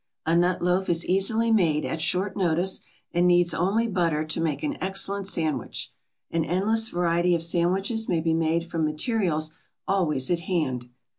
A nut loaf is easily made at short notice, and needs only butter to make an excellent sandwich. An endless variety of sandwiches may be made from materials always at hand.